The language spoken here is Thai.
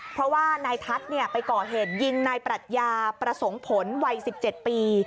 เพราะว่านายทัศน์ไปก่อเหตุยิงนายปรัชญาประสงค์ผลวัย๑๗ปี